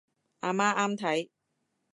阿媽啱睇